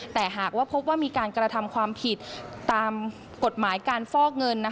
แต่หากว่าพบว่ามีการกระทำความผิดตามกฎหมายการฟอกเงิน